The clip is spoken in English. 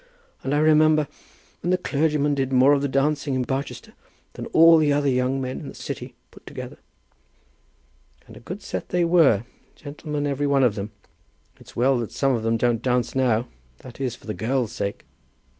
And I remember when the clergymen did more of the dancing in Barchester than all the other young men in the city put together." "And a good set they were; gentlemen every one of them. It's well that some of them don't dance now; that is, for the girls' sake."